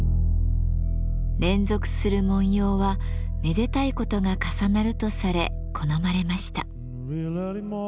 連続する文様はめでたいことが重なるとされ好まれました。